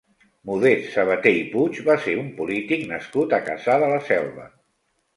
Modest Sabaté i Puig va ser un polític nascut a Cassà de la Selva.